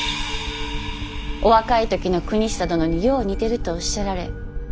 お若い時の邦久殿によう似てるとおっしゃられ。